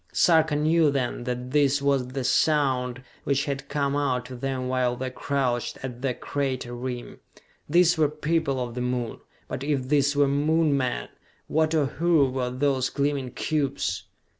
Sarka knew then that this was the sound which had come out to them while they crouched at the crater rim. These were people of the Moon: but if these were Moon men, what, or who, were those gleaming cubes?